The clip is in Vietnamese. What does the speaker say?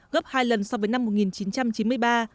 gấp hai lần so với năm một nghìn chín trăm chín mươi ba